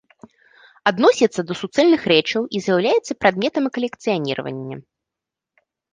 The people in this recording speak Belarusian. Адносіцца да суцэльных рэчаў і з'яўляецца прадметам калекцыяніравання.